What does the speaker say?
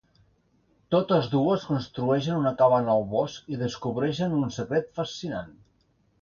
Totes dues construeixen una cabana al bosc i descobreixen un secret fascinant.